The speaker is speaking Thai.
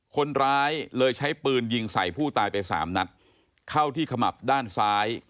คนร้ายเลยใช้ปืนยิงใส่ผู้ตายไปสามนัดเข้าที่ขมับด้านซ้าย